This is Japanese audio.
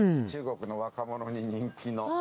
中国の若者に人気の。